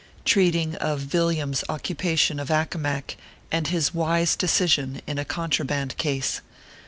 TREATING OF VILLIASl S OCCUPATION OF ACCOMAC, AND HIS WISE DECISION IN A CONTRABAND CASE.